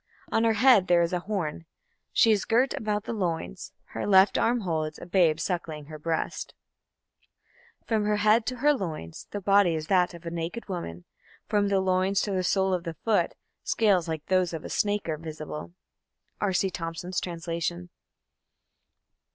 On her head there is a horn; she is "girt about the loins"; her left arm holds "a babe suckling her breast": From her head to her loins The body is that of a naked woman; From the loins to the sole of the foot Scales like those of a snake are visible. _R.C. Thompson's Translation.